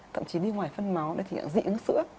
thậm chí đi ngoài phân máu thì dị ứng sữa